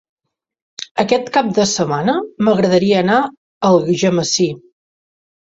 Aquest cap de setmana m'agradaria anar a Algemesí.